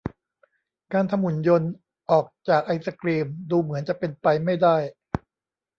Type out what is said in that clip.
การทำหุ่นยนต์ออกจากไอศกรีมดูเหมือนจะเป็นไปไม่ได้